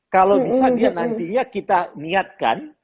kalau bisa dia nantinya kita niatkan